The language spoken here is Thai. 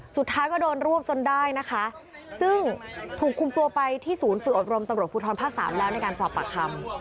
สุดท้ายก็โดนรวบจนได้นะคะซึ่งถูกคุมตัวไปที่ศูนย์ฝึกอบรมตำรวจภูทรภาคสามแล้วในการสอบปากคำ